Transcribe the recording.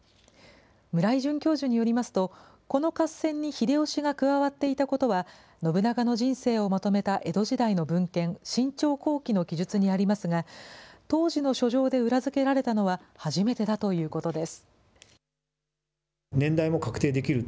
村井准教授によりますと、この合戦に秀吉が加わっていたことは、信長の人生をまとめた江戸時代の文献、信長公記の記述にありますが、当時の書状で裏付けられたのは初めてだということです。